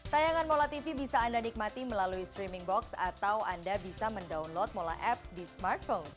tayangan mola tv bisa anda nikmati melalui streaming box atau anda bisa mendownload mola apps di smartphone